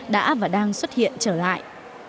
đã và đang xuất hiện trở lại